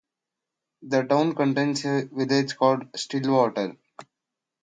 The town contains a village called Stillwater.